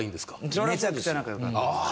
めちゃくちゃ仲良かったです。